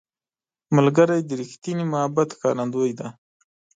ملګری د ریښتیني محبت ښکارندوی دی